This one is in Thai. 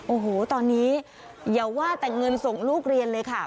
โอ้โหตอนนี้อย่าว่าแต่เงินส่งลูกเรียนเลยค่ะ